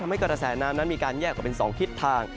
ทำให้กระแสน้ำนั้นมีการแยกออกเป็น๒ทิศทาง